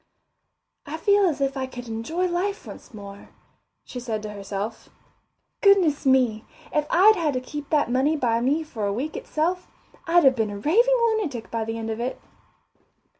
I feel as if I could enjoy life once more, she said to herself. Goodness me, if I'd had to keep that money by me for a week itself, I'd have been a raving lunatic by the end of it.